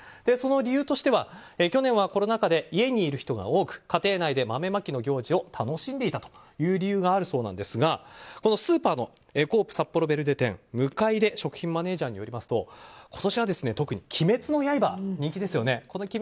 その理由としては去年はコロナ禍で家にいる人が多く家庭内で豆まきの行事を楽しんでいたという理由があるそうなんですがスーパーのコープさっぽろベルデ店向出食品マネジャーによりますと今年は特に「鬼滅の刃」が人気ですよね。